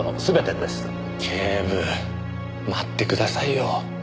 警部待ってくださいよ。